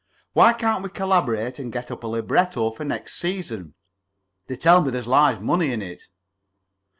Why can't we collaborate and get up a libretto for next season? They tell me there's large money in it."